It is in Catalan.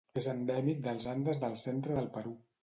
És endèmic dels Andes del centre del Perú.